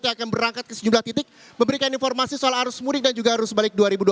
yang akan berangkat ke sejumlah titik memberikan informasi soal arus mudik dan juga arus balik dua ribu dua puluh